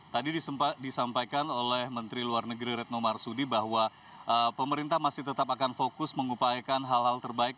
tadi disampaikan oleh menteri luar negeri retno marsudi bahwa pemerintah masih tetap akan fokus mengupayakan hal hal terbaik